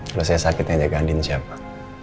kalau saya sakit yang jaga andin siapa